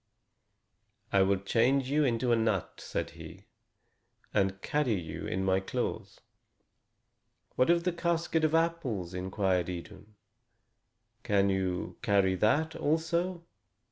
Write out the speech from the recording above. "I will change you into a nut," said he, "and carry you in my claws." "What of the casket of apples?" queried Idun. "Can you carry that also?"